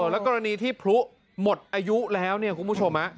แล้วกรณีที่พลุหมดอายุแล้วเนี่ยคุณผู้ชม